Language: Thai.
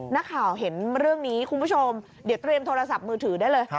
นักข่าวเห็นเรื่องนี้คุณผู้ชมเดี๋ยวเตรียมโทรศัพท์มือถือได้เลย